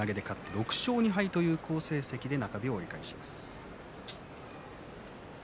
６勝２敗という好成績で中日を終えています。